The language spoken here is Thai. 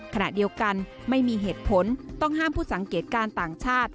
ขณะเดียวกันไม่มีเหตุผลต้องห้ามผู้สังเกตการณ์ต่างชาติ